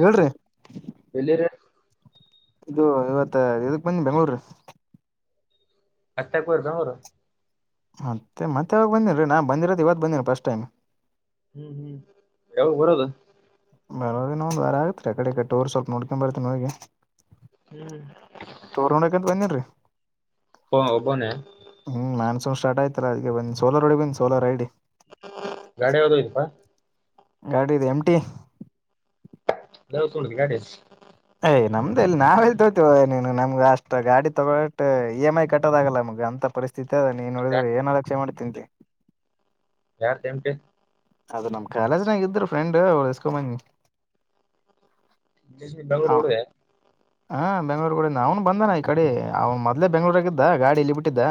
ಹೇಳ್ರಿ ಎಲ್ಲಿರ ಇದು ಇವತ್ತ ಇದಕ್ ಬಂದಿನೀ ಬೆಂಗಳಳೂರು ಅತ್ತಕ್ಕೆ ಬ [unintelligible] ರ್ದ ಅವರು ಅತ್ತೆ ಮತಾಡ್ಬಾದಿಲಾರಿ ಬಂದಿಲ್ ರೀ ನಾ ಬಂದಿರದ ಇವತ್ತು ಬಂದಿನಿ ಫಸ್ಟ್ ಟೈಮ್ ಹ್ಮ್ ಹ್ಮ್ ಯಾವಾಗ ಬರೋದ ಬರೋ ಒಂದು ವರ ಆಗತ್ರಿ ಆಕಡೆ ಈ ಕಡೆ ಟೂರ್ ಸ್ವಲ್ಪ ನೋಡ್ಕೊಂಡ ಬರ್ತ್ತನೀ ಹೋಗಿ ಹ್ಮ್ ಟೂರ್ ನೋಡಕಂತ ಬಂದಿನ್ರಿ ಹ ಒಬನೆ ಶೋ ಸ್ಟಾರ್ಟ್ ಆಯ್ತ ಅಲ ಅದಕೆ ಬಂದು ಸೋಲರ್ ರೋಡಿ ಬಂದು ಸೋಲರ್ ಐಡಿ ಗಾಡಿ ಯಾವದೋ ಹೊಯ್ದಪ ಗಾಡಿ ಇದೆ ಮ್ ಟಿ [unintelligible] ಗಾಡಿ ನಮ್ದ ಇಲ್ಲಿ ನಾವ ಎಲ್ಲಿ ತಕೊತೀವೋ ನೀನು ನಮ್ಗೆ ಅಷ್ಟ ಗಾಡಿ ತಕೊಳ್ಳುತ್ತ್ತಇ ಎಂ ಐ ಕಟ್ಟೋದಾಗಲ್ಲ ನಮಗ ಅಂತ ಪರಿಸ್ ಅದ ನೀನ್ ನೋಡಿದ್ರೆ ಏನ್ ಅಲಕ್ಷೆ ಮಾಡಿತಂತಿ ಯಾರ [unintelligible] ಅದ ನಮ್ ಕಾಲೇಜ್ನಾಗ ಇದ್ರ ಫ್ರೆಂಡ್ ಅವರ್ದು ಇಸ್ಕೊ ಬದಿನಿ [unintelligible] ಹಾ ಬೆಂಗ್ಳೂರ್ ಅವ್ನು ಬಂದಾನ ಈ ಕಡೆ ಅವ್ ಮೊದ್ಲೆ ಬೆಂಗಳೂರಿನಲಿದ ಗಾಡಿ ಇಲ್ಲಿ ಬಿಟ್ಟಿದ್ದ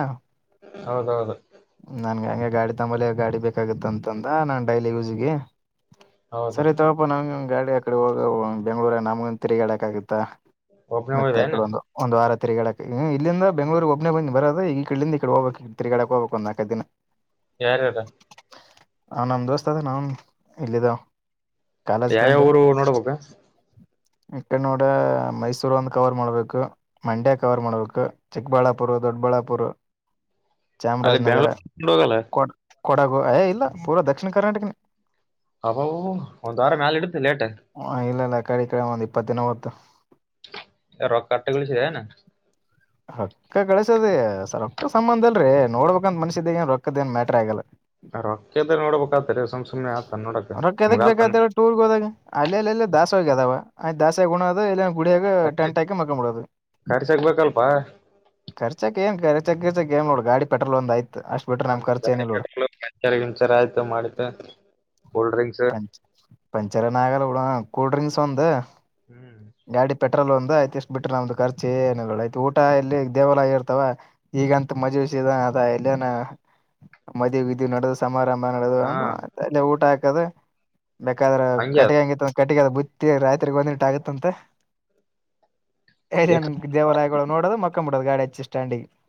ಹೌದೌದು ಹೆಂಗೆ ಗಾಡಿ ತಂಕೊಬಲೇ ಗಾಡಿ ಬೇಕಾಗತ್ತ ಅಂತಂದ ನಾನ್ ಡೈಲಿ ಯೂಸ್ಗೆ ಹೌದು ಸರಿ ತಕೊಪ್ಪ ನಂಗ ಗಾಡಿ ಆ ಕಡೆ ಹೋಗ ಬೆಂಗ್ಳೂರ ನಮಗ ತಿರುಗಾಡಕ್ ಆಗತ್ತ ಒಬ್ನೇ ಮತ್ತೆ ಹೋದೆ ಏನು ಆಕಡೆ ಒಂದು ಒಂದು ವಾರ ತಿರ್ಗಡಕ್ ಇಲ್ಲಿಂದ ಬೆಂಗಗಳೂಗ್ ಒಬ್ಬನೆ ಬರದ ಈ ಇಡಿಂದ ಈ ಕಡೆ ಹೋಗ್ಬೇಕಕ್ ತ ತಿಗಾಕ್ ಹೋಗಬೇಕ ಒಂದ ನಾಲ್ಕ ದಿನ ಯಾರ್ಯಾರ ಹ ನಮ್ ದೋಸ್ತ್ ಅದ ನಾನ್ ಇಲ್ಲಿದ್ದಾವ ಯಾವ್ಯಾವ ಊರು ನೋಡ್ಬೇಕ ಈ ಕಡೆ ನೋಡ್ರ ಮೈಸೂರ್ ಒಂದ್ ಕವರ್ ಮಾಡ್ಬೇಕು ಮಂಡ್ಯ ಕವರ್ ಮಾಡ್ಬೇಕು ಚಿಕ್ಕಬಳ್ಳಾಪುರ ದೊಡ್ಬಳ್ಳಾಪುರ ಅಲ್ಲಿೇ ಬೆಂಗೋರ್ಡಾಗಲ್ಲ ಕೊಡ ಕೊಡಗು ಯ ಇಲ್ಲ ಪೂರ್ ದಕ್ಷಿಣ ಕರ್ನಾಟಕನ ಹಬ ಒಂದ್ ವಾರ ಮ್ಯಾಲ ಇಡುತ್ತೆ ಲೇಟ್ ಆಕಡೆ ಈಕಡೆ ಒಂದು ಇಪ್ಪತ್ತ ನವತ್ತು ರೊಕ್ ಅಷ್ಟು ಗಳಿಸಿದೆನು ರೊಕ್ಕ ಕಳಸದ ಸ ರೊಕ್ಕ ಸಂಬಂಧ ಅಲ್ರೀ ನೋಡ್ಬೇಕಂತ ಮನ್ಸ ಏನ್ ರೊಕ್ಕದ ಏನ್ ಮ್ಯಾಟ್ರ ಆಗಲ್ಲ ರೊಕ್ಕದ ನೋಡ್ಬೇಕಾತರಿ ಸುಮ್ ಸುಮ್ನೆ ಆತನ್ ನೋಡಕ ರೊಕೆದಕ್ ಮುಗಾಲ್ ತನ್ ಬೇಕತರ ಟೂರ್ಗೆ ಹೋದಾಗ ಅಲ್ಲಿ ಅಲ್ಲಲ್ಲ ದಾಸಸ್ ಹೋಗ ಅದಾವ ಆಯ್ ದಾಸ ಉುಣೋ ಇಲ್ಲ ಗುಡಿಯಾಗ ಟೆಂಟ್ ಹಾಕಿ ಮಕ್ಕಡೋದು ಖರ್ಚಾಗ್ಬೇಕಲ್ಪ ರ್ಚಕ್ಕೆ ಏ್ ರ್ಚ ಖರ್ಚಕ್ ಏ್ ನೋಡು ಗಾಡಿ ಪೆಟ್ರೋಲ್ ಒಂದು ಆಯ್ತ ಹ ಪಂಚರ್ಂಚರ್ ಆಯ್ತು ಮಾಡಿದ್ದ ಪಂ ಪಂಚರನ ಆಗಲ್ಲ ಹಡ ಕೂಲ್ ಡ್ರಿಂಕ್ಸ್ ಒಂದು ಹ್ಮ್ ಪೆ್ರೋ ಒಂದುಯ್ತಷ್ಟ ಬಿ್ರ ನ್ದ ಖರ್ಚ ಏ ಊಟ ಎಲ್ಲಿ ದೇವಾಲಯ ಇರ್ತವ ಈಗಂತ ಮಜುವಿಸಿದ ಅದ ಎಲ್ಲನ ಮದೆ ಇದು ನಡೆದ ಸಮಾರಂಭ ಹಾ ಅ ಊಟ ಹಾಕದು ಬೇಕಾದ್ರೆ ಹಂಗೆ ಅದ ಕಟ್ಟಿಂಗಿ ಕಟ್ಟಿಗೆ ಬುತ್ತಿ ರಾತ್ರಿಗ ಒಂದ್ಟ ಆಗುತ್ತಂತ ಎಷ್ಟ್ ನ್ ದೇವಾಲಯಗಳು ಮಕ್ಕಮ್ ಬುಡದ ಗಾಡೆಚಿ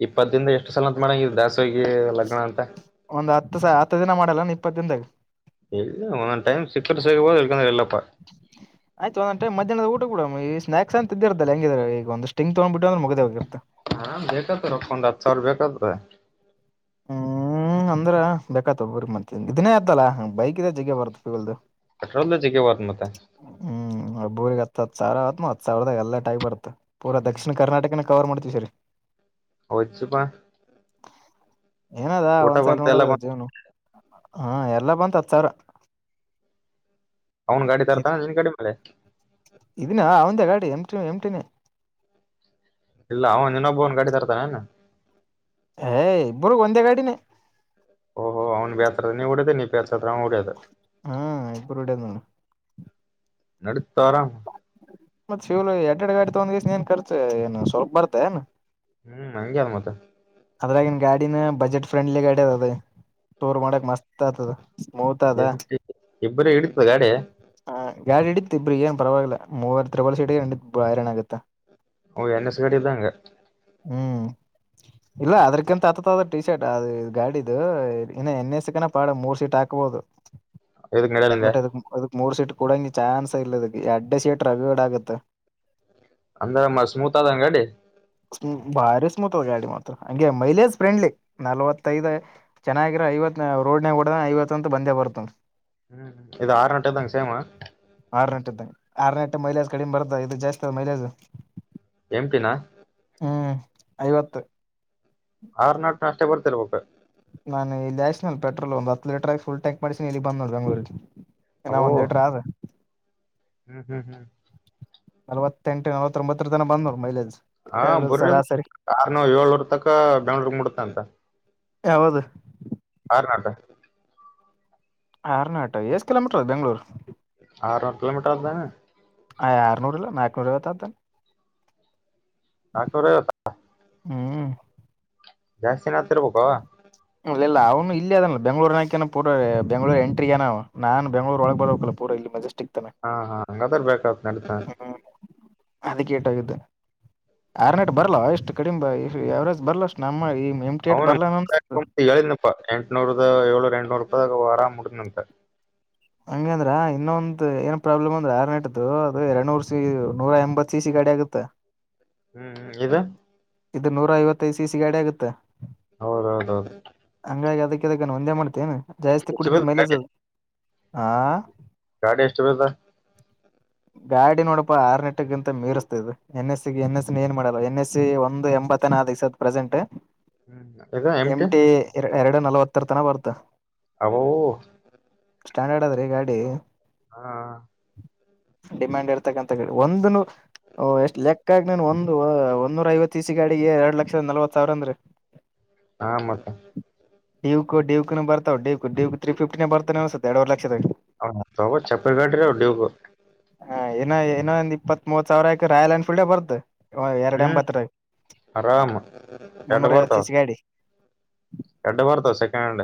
ಇಪ್ಪತ್ತ ದಿಂದ ಎಷ್ಟು ಸಲ ಅಂತ ಮಾಡಂಗ ದಾಸಿಗೆ ಲಗ್ನ ಅಂತ ಒಂದ್ ಹತ್ತು ಹತ್ತು ದಿನ ಮಾಡಲ್ಲಾನ ಇಪ್ಪತ್ತ ದಿನದಾಗ ಒಂದೊಂದು ಟೈಮ ಸಿಕ್ಕರ್ ಸಿಗಬೋದು ಇರ್ಲಿಕಂದ್ರ ಇಲ್ಲಪ್ಪ. ಬಿಟ್ಟಬಿಡಮ ಸ್ನಾಕ್ಸ್ ಅಂತ ಇದ್ದೆ ಇರ್ತಲ್ಲ. ಹೆಂಗಇದ್ರು ಈಗ ಒಂದು ಸ್ಟಿಂಗ್ ತಗ್ಂಡ ಬಿಟ್ಟುಂದ್ರ ಮುಗದ ಹೋತ. ಆರಾಮ್ ಬೇಕತ್ ರೊಕ್ಕ ಒಂದ ಹತ್ತು ಸಾವರು ಬೇಕತ. ಹ್ಮ್, ಅಂದ್ರ ಬೇಕಾತಾದ ಬಿಡು ಮತ್ತ ಇದನ್ನೇ ಆತಲ್ಲ ಬೈಕ ಇದ್ರ ಜಗ್ಗೆ ಬರುತ್ತ ಬಿಡು. ಪೆಟ್ರೋಲ್ದ ಜಗ್ಗೆ ಬರತಾ ಮತ್ತ- ಬೋರ್ಗ್ ಹತ್ ಸಾವಿರ ಆತ ಹತ್ತ ಸಾವಿರದಾಗ ಎಲ್ಲಾಟ ಆಗಿಬರ್ತದ. ಪುರ ದಕ್ಷಿಣ ಕರ್ನಾಟಕನ ಕವರ್ ಮಾಡ್ತೀವಿ ಸರಿ [unintelligible] ಒಚ್ಚುಪಾ [inaudible] ಏನಾದ ಒಂದ್ಸಾರಿ ಎಲ್ಲ ನೋಡೋದ ಬಂತ ಜೀವನ. ಹಾ, ಎಲ್ಲಾ ಬಂತ ಹತ್ತ ಸಾವಿರ. ಅವನ್ ಗಾಡಿ ತರ್ತಾನ ನಿನ್ ಗಾಡಿ ಮೇಲೆ ಇದಿನ ಅವಂದ ಗಾಡಿ ಎಮ [unintelligible] ಟ ಎಮಟಿನೇ ಇಲ್ಲ ಅವನ್ ಇನ್ನೊಬ್ಬ ಒನ್ ಗಾಡಿ ತರ್ತಾನೇನ್, - ಏಯ್ ಇಬ್ಬರು ಒಂದೇ ಗಾಡಿನೇ. ಓ, ಓ ಅವ್ನು ಬ್ಯಾಸರ ಅದ್ರ ನೀನು ಹೊಡೆದು ನಿನಗ ಬ್ಯಾಸರ ಅದ್ರ ಹಾ, ಇಬ್ಬರು ಹೊಡೆದ ನೋಡ ನಡೀತಾ ತೋರ [unintelligible] ಮತ್ತ ಶಿವ ಎಕಡೆ ಗಾಡಿ ತಗೊಂಡ ಗೆಸಿ ಏನ್ ಖರ್ಚು ಏನು ಸ್ವಲ್ಪ ಬರ್ತ ಏನ್, ಹ್ಮ್, ಹಂಗೆ ಮತ್ತ ಅದ್ರಾಗಿನ್ ಗಾಡಿನ ಬಜೆಟ್ ಫ್ರೆಂಡ್ಲಿ ಗಾಡಿ ಅದ ಟೂರ್ ಮಾಡಕ್ ಮಸ್ತ್ ಆಗ್ತದ. ಮೌತ ಅದಾ ಇಬ್ಬರಿ ಹಿಡಿತದ ಗಾಡಿ ಹ ಯಾಡ್ ಹಿಡತ್ ಇಬ್ರಿಗೆ ಏನ್ ಪರವಾಗಿಲ್ಲ, ಮೂವರ ತ್ರಿಬಲ ಸೀಟ್ಗೆ ಹಿಡಿತ್ ಹೈರಾಣ್ ಆಗುತ್ತಾ. - ಅವುಎನ್, ಎಸ್ ಗಾಡಿ ಇದ್ದಂಗ. ಹ್ಮ್, ಇಲ್ಲ ಅದ್ರಕಿಂತ ಹತದ ಟಿ ಶರ್ಟ್ ಅದು ಗಾಡಿದು ಇನ್ನ ಎನ ಎಸಕಿನ ಪಾಡ ಮೂರ್ ಸೀಟಿಂದ. ಹಾಕಬಹುದು. ಇದಕ್ ನಡೆಯಲಿಂಗ ಬಟ್ ಅದಕ- ಅದಕ ಮೂರು ಸೀಟ್ -ಕೂಡಂಗ ಚಾನ್ಸ ಇಲ್ಲದ ಎಡ್ಡೆ ಸೀಟ್ ರಗಡ ಆಗತ್ತೆ. ಅಂದ್ರ ಮ ಸ್ಮೂತ್ ಆದಏನ ಗಾಡಿ. ಹ್ಮು, ಭಾರಿ ಸ್ಮೂತ್ ಆದ ಗಾಡಿ ಮಾತ್ರ ಹಂಗೆ ಮೈಲೇಜ್ ಫ್ರೆಂಡ್ಲಿ ನಲ್ವತ್ತೈದು ಚೆನ್ನಾಗಿರ ಐವತ್ತು- ರೋಡ್ನಗ ಹೊಡದ್ರ ಐವತ್ತು ಅಂತ ಬಂದೇ ಬರ್ತ. ಹ್ಮ್, ಇದು ಆರುನಾಟಿಂಗ ಸೇಮ- ಆರ್ನಾಟು ಮೈಲೇಜ್ ಕಡಿಮೆ ಬರ್ದತ ಇದು ಜಾಸ್ತಿ ಆದ ಮೈಲೇಜ್. ಎಮ್ಟಿನಾ- ಹ್ಮ್, ಐವತ್ತು- ಆರ್ನಟ್ ಅಷ್ಟೇ ಬರ್ತಿರಬೇಕು. ನಾನು ಇಲ್ಲಿಯಸ್ಸನಲ್ ಪೆಟ್ರೋಲ್, ಒಂದು ಹತ್ತು ಲೀಟರ್ ಫುಲ್ ಟ್ಯಾಂಕ್ ಮಾಡಿಸಿನಿ ಇಲ್ಲಿಗಿ ಬಂದ ನೋಡ್ ಬೆಂಗಳೂರಿಗೆ. ಇನ ಅವು ಒಂದ್ ಲೀಟರ ಆದ ಹ್ಮ್ ಹ್ಮ್ ಹ್ಮ್ ನಲ್ವತ್ತೆಂಟು ನಲವತ್ತರೋಬತ್ತರ ತನ ಬಂತನೋಡು ಮೈಲೇಜ್ ಹಾ ಎವರೇಜ್ ಬರ ಸರಾಸರಿ ಆರನೂರು ಏಳನೂರ್ ತಕ ಬೆಂಗಳೂರ್ ಮುಟತ ಅಂತ ಯಾವದು ಕರ್ನಾಟ ಆರನಾಟ ಎಷ್ಟು ಕಿಲೋಮೀಟರ್ ಅದು ಬೆಂಗ್ಳೂರು ಆರನೂರ ಕಿಲೋಮೀಟರ್ ಆತಾದಏನ ಆಯ್ ಆರನೂರಲ್ಲ ನಾಕನೂರ ಐವತ್ತ ಆತದ ನಕನೂರ ಐವತ್ತ ಜಾಸ್ತಿನೆ ಆತಿರ್ಬೇಕ ಓ ಇಲ್ಲ ಇಲ್ಲ ಅವನು ಇಲ್ಲಿ ಅದಲ್ಲ ಬೆಂಗಳೂರ್ನಕಏನ ಪೂರ ಬೆಂಗಳೂರ ಎಂಟ್ರ ಏನ ನನ್ ಬೆಂಗಳೂರು ಒಳಗ್ ಬರಬೇಕಕ್ಲ್ಲ ಪೂರ ಇಲ್ಲಿ ಮೆಸ್ಟಿಕ್ ಹಾ ಹಾ ಹಂಗಾದ್ರ ಬೇಕಆತ ನಡತನೆ ಅದಕ ಏಟಾಗುತ್ತ ಆರ್ನೆೇಟ್ ಬರಲ್ಲ ಎಷ್ಟು ಕಡಿಂಬ ಯವರೇಜ್ ಬರ್ಲ್ಲ ಅಷ್ಟು ನಮ್ಮ ಈ ಎಮ್ ಟಿ ಹ ಏಟ್ ಬರ್ಲ ಅನ್ಸತ ಹೇಳನಪ್ಪಾ ಎಂಟನೂರದ ಏಳೂ ಎಂಟನೂರು ಇಪ್ಪದಕ ವರ ಮುಡನಂತ ಹಂಗ ಅಂದ್ರ ಇನ್ನೊಂದ್ ಏನ್ ಪ್ರಾಬ್ಲಮ್ ಅಂದ್ರೆ ಆರ್ ನೆಟು ಅದು ಎರಡ್ಡುನೂರ್ ಸಿ ನೂರ ಎಂಬತ್ ಸಿ ಸಿ ಗಾಡಿ ಆಗುತ್ತೆ ಹ್ಮ್ ಇದು ಇದು ನೂರ ಐವತ್ತೈದು ಸಿ ಸಿ ಗಾಡಿ ಆಗುತ್ತೆ ಹೌದ ಹೌದ ಹೌದು ಹಂಗಾಗಿ ಅದಕ್ಕೆದಕ್ಕ ಒಂದೇ ಮಾಡ್ತೇನೆ ಜಾಸ್ತಿ ಎಷ್ಟು ಕುಡಿದ್ದ ಬೀಳ್ತ ಮೈಲೇಜ್ ಗಾಡಿ ಅದು ಹ ಗಾಡಿ ಎಷ್ಟ ಬಸ [inaudible] ಗಾಡಿ ನೋಡಪ್ಪಾ ಆರ್ನೆಟಗಿಂತ ಮೀರಿಸಸ್ತಾ್ ಎನ್ ಎಸ್ಸ ಎನ್ ಎಸ್ ಏ ಮಾಡಲ್ಲ ಎನ್ ಎಸ್ಸ ಒಂದು ಎಂಬತ್ತನಿವ್ಸದ ಪ್ರೆಸೆಂಟ್ ಹ್ಮ್ ಇದದ ಎಮಟ ಎಮ್ ಟಿ ಎರಡು ನಲವತ್ತರ ತನ ಬರ್ತ ಅವ ಸ್ಟ್ಯಾಂಡರ್ಡ್ ಅದ್ರಿ ಗಾಡಿ ಹಾ ಡಿಮ್ಯಾಂಡ್ ಇರ್ತಕ್ಕಂಂತ ಹೇಳಿ ಒಂದು ಎಷ್ಟು ಲೆಕ್ಕಗ ನ ಒಂದು ಒೂರ ಐವತ್ತು ತಿಸಿಗಾಡಿಗೆ ಎರಡ್ ಲಕ್ಷದ ನಲ್ವತ್ ಸಾವಿರ ಅಂದ್ರೀ ಹಾ ಮತ್ತ ಡಿು ಡಿವುು ಬರ್ತಾವ ು ೀ ಿಫ್ಟಿನೇ ಬರ್ತವೆನ್ಸೆ ಎರವ ಲಕ್ಷದ ಹೋಗ ಚಪ್ಪಲ್ ಗಟ್ರ ಹಾ ಏನೋ ಏನೊಂದ ಇಪ್ಪತ್ ಸಾವಿರ ಆಯಕ ರಾಯಲ್ ಎನ್ಫೀಲ್ಡೇ ಬರ್ದು ಎರಡ್ ಎಂಬತ್ತರ ಆರಾಮ ಎಟ ಬರ್ತ ಐವತ್ತು ಸಿ ಸಿ ಗಾಡಿ ಎಡ್ಡ ಬರ್ತಾವ ಸೆಕೆಂಡ್ ಹ್ಯಾಂಡ್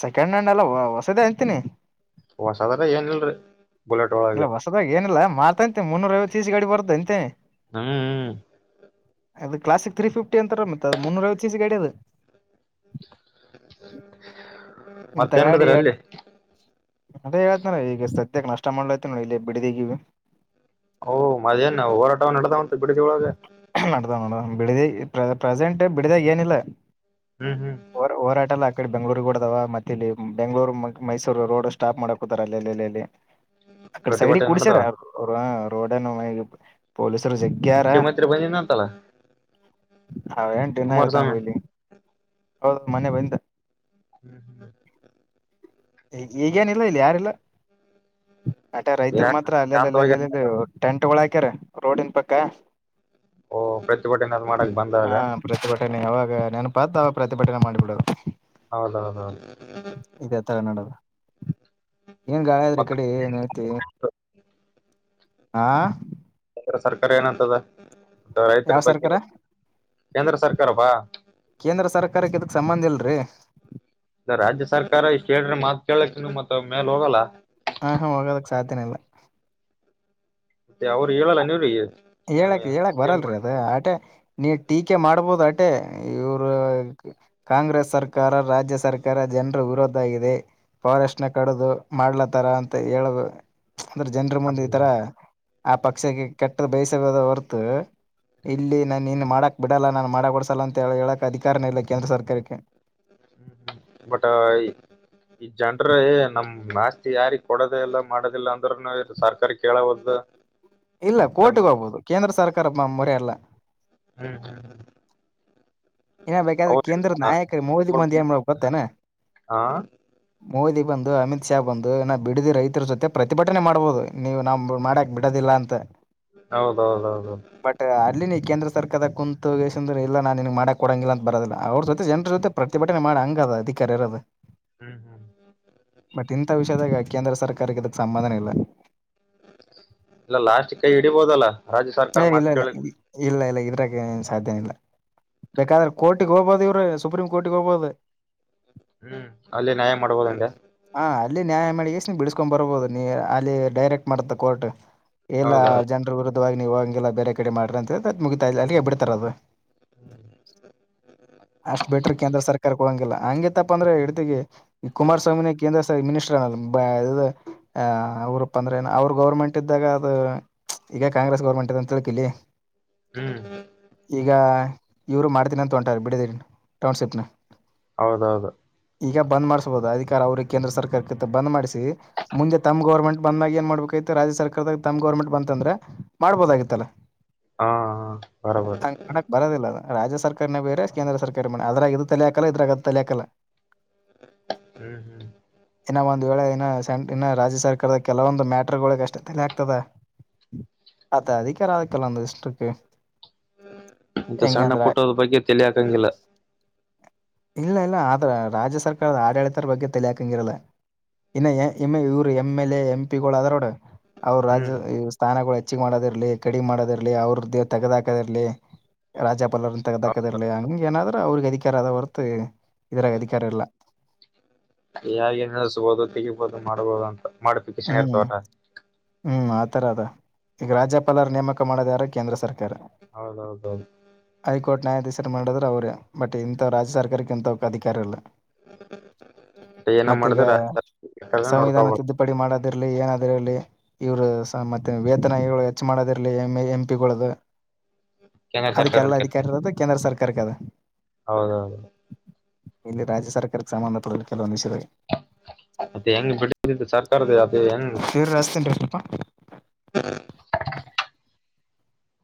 ಸೆಕೆಂಡ್ ಹ್ಯಾಂಡ್ ಎಲ್ಲ ಹೊಸದ ಅಂತನಿ ಹೊಸದಲ್ಲ ಏನ್ ಇಲ್ರಿ ಇಲ್ಲ ಹೊಸದಾಗ ಏನಿಲ್ಲ ಮತಾಂತೆ ಮುನ್ನೂರ ವತ್ತು ತಸ ಗಡಿ ಬರುದ ಅಂತೆನೆ ಹ್ಮ್ ಅದು ಕ್ಲಾಸಿಕ್ ತ್ರೀ ಫಿಫ್ಟಿ ಅಂತಾರ ಮತ್ತ ಅದು ಮುನ್ನೂರ ಐವತ್ತು ಸ ಸಿ ಗಾಡಿ ಅದು [inaudible] ಇಂತ ಗಾಡಿ ಮತ್ತೇನ್ಡ್ತರ ಎರಡ್ ಅಲ್ಲಿ ಅದೇ ಹೇಳೇತ್ನ ಈಗ ಸದ್ಯಕ್ಕೆ ನಷ್ಟ ಮಾಡ್ಲೈತಿ ನೋ ಇಲ್ಲಿ ಬಿಡಿದಗೀಿವವಿ ಓ ಮದೇನ ಹೋರಾಟ ನಡ್ದ ಉಂಟು ಬಿಡಿದ ಒಳಗೆ ಬಿಡಿದ ಪ್ರೆಸೆಂಟ್ ಬಿಡಿದಾಗ ಏನಿಲ್ಲ ಹ್ಮ್ ಹ್ಮ್ ಹೋರಾಟಲ್ಲತ ಕಡೆ ಬೆಂಗ್ೂರಿಗೆಗೂಡದ ಮತ್ತೆ ಇಲ್ಲಿ ಬೆಂಗ್ಗಳೂರು ಮೈಸೂರು ರೋಡ್ ಸ್ಟಾಪ್ ಮಾಡಕೂತಾರ ಅಲ್ಲೆಲ್ಲಿ ಅಕಡೆ ಸೈಡಿಗೆ ಪ್ರತಿಭಟನೆ ಕುಡಸಾರ ನಡದಾವ ಅವ ರೋಡ್ನ್ನು ಪೊಲೀಸ್ ಮುಖ್ಯಮಂತ್ರಿ ಬನ್ನ ನಂತಲ್ಲ ಹ ಅವ ಏನ್ ದಿನ ಇರ್ತಾನ ಹೋಗ್ಲಿ ಮೊನ್ನೆ ಬಂದಿದ್ದ ಈ ಈಗೇನಿಲ್ಲ ಇಲ್ಲಿ ಯಾರಿಲ್ಲ ಅಟೆ ರೈತರು ಯಾಕ ಮಾತ್ರ ಅಲ್ಲೆಲ್ಲಿ ಶಾಂತವಾಗಿ ಅಲ್ಲೆ ಟೆಂಟ್ಗಳಗಳು ಹಾಕ್ಯಾರ ರೋಡಿನ್ ಪಕ್ಕ ಓ ಪ್ರತಿಭಟನೆ ಮಾಡಕ್ ಬಂದಾಗ ಅವಾಗ ನೆನಪ್ ಆತ ಅವಾಗ ಪ್ರತಿಭಟನೆ ಮಾಡಿಬಿಡೋದು ಇದೇ ತರ ಹೌದೌದೌದು ನಡೋದು ಏನ್ ಗಾಳಿ ಈ ಕಡೆ ಏನ್ ಹೇಳ್ತೆ ಹಾ ಕೇಂದ್ರ ಸರ್ಕಾರ ಏನಂತದ ರೈತರ ಯಾವ ಬಗ್ಗೆ ಸರ್ಕಾರ ಕೇಂದ್ರ ಸರ್ಕಾರಪ್ಪ ಕೇಂದ್ರ ಸರ್ಕಾರಕ್ಕೆ ಇದಕ್ ಸಂಬಂಧ ಇಲ್ರಿ ರಾಜ್ಯ ಸರ್ಕಾರ ಇಷ್ಟ ಹೇಳ್ರೆ ಮಾತ್ ಕೇಳಾಕ್ ಮತ್ ಮೇಲೆ ಹೋಗಲ್ಲ ಹಾ ಹಾ ಹೋಗೋದಕ್ ಸಾಧ್ಯನೆ ಇಲ್ಲ ಮತ್ತೆ ಅವ್ರು ಹೇಳಲ್ಲ ನೀವ್ರಿಗೆ ಹೇಳಕ್ ಹೇಳಕ್ ಬರಲ್ರಿ ಅದ ಅಟೆ ನೀ ಟೀಕೆ ಮಾಡ್ಬೋದು ಅಟೆ ಇವ್ರು ಕಾಂಗ್ರೆಸ್ ಸರ್ಕಾರ ರಾಜ್ಯ ಸರ್ಕಾರ ಜನರು ವಿರೋಧಾಗಿದೆ ಫಾರೆಸ್ಟ್ನ ಕಡಿದು ಮಾಡಲತ್ತ ಅಂತ ಹೇಳ ಅಂದ್ರೆ ಜನ್ರ ಮುಂದೆ ಈತರ ಆ ಪಕ್ಷಕ್ಕೆ ಕೆಟ್ಟ ಬೇಸದ ಹೊರ್ತು ಇಲ್ಲಿ ನಾನ ಇನ್ ಮಾಡಕ್ ಬಿಡಲ್ಲ ನಾನ್ ಮಾಡಕ್ಕ ಕೊಡ್ಸಲ್ಲ ಅಂತ ಹೇಳ ಹೇಳಕ್ ಅಧಿಕಾರನೇ ಇಲ್ಲ ಕೇಂದ್ರ ಸರ್ಕಾರಕ್ಕೆ ಹ್ಮ್ಮ ಬಟ್ ಈ ಜನ್ರ ನಮ್ ಆಸ್ತಿ ಯಾರಿ ಕೊಡೋದ ಇಲ್ಲ ಮಾಡದಿಲ್ಲ ಅಂದ್ರೂನು ಸರ್ಕಾರ ಕೇಳವದು ಇಲ್ಲ ಕೋರ್ಟಗ ಹೋಗ್ಬೋದು ಕೇಂದ್ರ ಸರ್ಕಾರ ಮೊರೆ ಅಲ್ಲ ಹ್ಮ್ ಹ್ಮ್ ಹ್ಮ ಏನ ಬೇಕಾದ್ರೆ ಕೇಂದ್ರ ನಾಯಕರ ಮೋದಿ ಮಂದಿ ಏನ್ ಹ್ಮ್ ಮಾಡಬೇಕು ಗೊತ್ತೇನಾ ಹಾ ಮೋದಿ ಬಂದು ಅಮಿತ್ ಶಾ ಬಂದು ಇ ಬಿಡಿದಿ ರೈತರ ಜೊತೆ ಪ್ರತಿಭಟನೆ ಮಾಡ್ಬೋದು ನೀವು ನಾವು ಮಾಡಾಕ್ ಬಿಡೋದಿಲ್ಲ ಅಂತ ಹೌದೌದೌದು ಹ್ಮ್ ಬಟ್ ಅಲ್ಲಿ ನೀ ಕೇಂದ್ರ ಸರ್ಕಾರದ ಕುಂತ್ ವೇಸ್ಟ್ ಅಂದ್ರೆ ಇಲ್ಲ ನಾನ್ ಮಾಡಕ್ ಕೊಡಂಗಿಲ್ಲ ಅಂತ ಬರೋದಿಲ್ಲ ಅವ್ರ ಜೊತೆ ಜನರ ಜೊತೆ ಪ್ರತಿಭಟನೆ ಮಾಡಿ ಹಂಗ ಅಧಿಕಾರಿ ಇರೋದು ಹ್ಮ್ ಬಟ್ ಇಂಥ ವಿಷಯದಾಗ ಕೇಂದ್ರ ಸರ್ಕಾರಕ್ಕೆ ಅದಕ್ ಸಂಬಂಧನೆ ಇಲ್ಲ ಇಲ್ಲ ಲಾಸ್ಟ್ ಕೈ ಹಿಡಿಬೋದಲ್ಲ ರಾಜ್ಯ ಸರ್ಕಾರ ಹ ಇಲ್ಲ ಮಾತ್ ಇಲ್ಲ ಕೇಳಿಕ್ ಇಲ್ಲ ಇಲ್ಲ ಇದ್ರಾಗ ಸಾಧ್ಯನಿಲ್ಲ ಬೇಕಾದ್ರೆ ಕೋರ್ಟಗ್ ಹೋಗಬೋದು ಇವ್ರೆ ಸುಪ್ರೀಂ ಕೋರ್ಟಿಗೆ ಹೋಗ್ಬಹದು ಹ್ಮ್ ಅಲ್ಲಿ ನ್ಯಾಯ ಮಾಡಬಹುದು ಅಂದ್ಯಾ ಹಾ ಅಲ್ಲಿ ನ್ಯಾಯ ಮಳಿಗೆಷ್ಟ ನೀ ಬಿಳಿಸಸ್ಕೊಂಡ್ ಬರ್ಬೋದು ನೀ ಅಲ್ಲಿ ಡೈರೆಕ್ಟ್ ಮಾಡತ್ತ ಕೋರ್ಟ್ ಎಲ್ಲ ಹೌದೌದು ಜನ್ರ ವಿರುದ್ಧವಾಗಿ ನೀವು ಹಂಗೆಲ್ಲಾ ಬೇರೆ ಕಡೆ ಮಾಡ್ರಿ ಅಂತ ಮುಗತಾ ಇ ಅಲ್ಲಿಗೆ ಬಿಡ್ತಾರ ಅದು ಅಷ್ಟ್ ಬಿಟ್ರ ಕೇಂದ್ರ ಸರ್ಕಾರಕ್ಕೆ ಹೋಗಂಗಿಲ್ಲ ಹಂಗೆತ್ತಪ್ಪ ಅಂದ್ರೆ ಹಡ್ತಿಗೆ ಈ ಕುಮಾರಸ್ವಾಮಿನ ಮಿನಿಸ್ಟರ್ ಅ ಅವ್ರಪ್ಪ ಅಂದ್ರ ಅವ್ರರು ಗೌರ್ಮೆಂಟ್ ಇದ್ದಾಗ ಅದು ಈಗ ಕಾಂಗ್ರೆಸ್ ಗೌರ್ಮೆಂಟ್ ಅಂತ ತಿಳ್ಕಲಿ ಹ್ಮ್ ಈಗ ಇವ್ರು ಮಾಡ್ತೀನಿ ಅಂತ ಹೊಂಟಾರ ಬಿಡಿದ ಟೌನ್ಶಿಪ್ನ ಹೌದೌದು ಈಗ ಬಂದ್ ಮಾಡಿಸಬಹದು ಅಧಿಕಾರ ಅವ್ರಿಗೆ ಕೇಂದ್ರ ಸರ್ಕಾರಕ್ಕೆ ಬಂದ ಮಾಡಿಸಿ ಮುಂದೆ ತಮ ಗವರ್ನಮೆಂಟ್ ಬಂದಾಗ ಏನ್ ಮಾಡಬೇಕು ರಾಜ್ಯ ಸರ್ಕಾರ ತಮ್ ಬಂದ ಅಂದ್ರೆ ಮಾಡ್ಬೋದಾಗಿತ್ತಲ್ಲ ಹಾ ಹಾ ಬರಬರ ಹಂಗ ಮಾಡಕ್ ಬರದಿಲ್ಲ ರಾಜ್ಯ ಸರ್ಕಾರನೇ ಬೇರೆ ಕೇಂದ್ರ ಸರ್ಕಾರ ಮೇ ಅದ್ರಾಗ ಇದು ತಲೆಕಲ್ಲ ಇದ್ರಾಗ ಅದು ತಲೆ ಹಾಕಲ್ಲ ಹ್ಮ್ ಹ್ಮ್ ಇನ್ನ ಒಂದ ವೇಳೆ ಇನ್ನ ಸೆಂ ಇನ್ನ ರಾಜ್ಯ ಸರ್ಕಾರದ ಕೆಲವೊಂದು ಮ್ಯಾಟ್ರಗಳಗ್ ಅಷ್ಟೆ ತಲೆ ಆಗ್ತದೆ ಅದ ಅಧಿಕಾರದಕ್ಕೆಲ್ಲ [unintelligible] ಸಣ್ಣ ಪುಟ್ಟೋದ ಬಗ್ಗೆ ತಲೆಹಾಕಗಿಲ್ಲ ಇಲ್ಲ ಇಲ್ಲ ಆದ್ರ ರಾಜ್ಯ ಸರ್ಕಾರದ ಆಡಳಿತರ ಬಗ್ಗೆ ತಲೆ ಹಾಕಂಗ ಇರಲ್ಲ ಇನ್ನ ಇವರು ಎಮ್ ಎಲ್ ಎ ಎಂ ಪಿಗಳು ಅದೇ ನೋಡು ಅವ್ರ ರಾಜ್ಯ ಹ್ಮ್ ಇ ಸ್ಥಾನಗಳು ಚ್ಚಿ ಮಾಡೋದಿರ್ಲಿ ಕಡಿ ಮಾಡೋದಿರ್ಲಿ ಅವ್ರದ ದೇ ತಗದ ಹಾಕೋದರ್ಲಿ ರಾಜ ಲ್ಲರ್ಂತ ತಗ್ದಕ್ಕದಿರ್ಲಿ ಹಂಗಗೆ ಏನಾದ್ರೂ ಅವ್ರಿಗೆ ಅಧಿಕಾರ ಆದದ ಹೊರತು ಇದರಾಗ ಅಧಿಕಾರ ಇಲ್ಲ ಯ ನೆನೆಸ್ಬೋುದು ತೆಗಿಬೋದು ಮಾಡ್ಬೋದು ಅಂತ ಮಾಡಿಫಿಕೇಶನ್ ಹ್ಮ್ ಇರ್ತವಟಾ ಹ್ಮ್ ಆತರ ಅದ ಈಗ ರಾಜ್ಯಪಾಲ ಅವರ ನೇಮಕ ಮಾಡದ ಯಾರ ಕೇಂದ್ರ ಸರ್ಕಾರ ಹೌದೌದೌದು ಹೈಕೋರ್ಟ್ ನ್ಯಾಯಾಧೀಶ ಮಾಡಿದ್ರರು ಅವ್ರೇ ಬಟ್ ಇಂಥ ರಾಜ್ಯ ಸರ್ಕಾರಕ್ಕೆ ಇಂತ ಅಧಿಕಾರ ಇಲ್ಲ ಏನ ಮತ್ತೀಗ ಮಾಡಿದ್ರ ನೋಡ್ಕ ಇರ್ಲಿ ಏನಾದಿರ್ಲಿ ಇವರು ಮತ್ತೆ ವೇತನಗಳು ಹೆಚ್ಚು ಮಾಡೋದಿರ್ಲಿ ಎ ಎಂ ಪಿಗಳದು ಕೇಂದ್ರ ಅದಕ್ಕೆ ಸರ್ಕಾರ ಎಲ್ಲ ಅಧಿಕಾರಿರ ಅದು ಕೇಂದ್ರ ಸರ್ಕಾರಕ್ಕೆ ಅದ ಹೌದೌದು ಇಲ್ಲಿ ರಾಜ್ಯ ಸರ್ಕಾರಕ್ಕೆ ಸಂಬಂಧಪಟ್ಟಡ ಕೆಲವೊಂದು ವಿಷಯ ಮತ್ತೆ ಹೆಂಗ [unintelligible] ಸರ್ಕಾರದ ಆದ ಎಂಗ್ ಇವ್ರು ಹಚ್ತೀನಿ ರೀ ಸ್ವಲ್ಪ